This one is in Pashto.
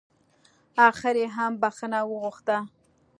اخر يې هم بښنه وغوښته.